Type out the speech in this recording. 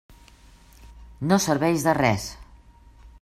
No serveix de res.